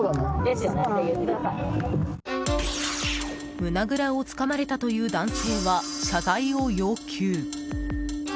胸ぐらをつかまれたという男性は謝罪を要求。